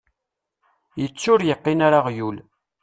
Yettu ur yeqqin ara aɣyul.